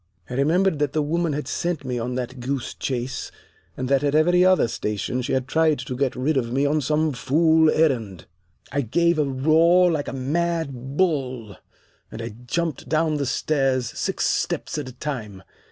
I remembered that the woman had sent me on that goose chase, and that at every other station she had tried to get rid of me on some fool errand. [Illustration: 11 I threw out everything on the bed] "I gave a roar like a mad bull, and I jumped down the stairs six steps at a time.